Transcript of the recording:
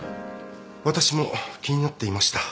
私も気になっていました。